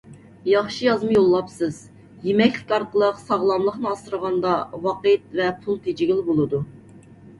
ياخشى يازما يوللاپسىز. يېمەكلىك ئارقىلىق ساغلاملىقنى ئاسرىغاندا ۋاقىت ۋە پۇل تېجىگىلى بولىدۇ.